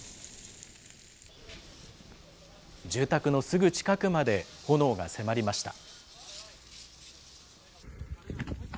住宅のすぐ近くまで炎が迫りました。